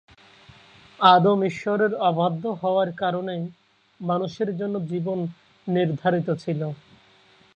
আদম ঈশ্বরের অবাধ্য হওয়ার কারণেই মানুষের জন্য জীবন নির্ধারিত ছিল।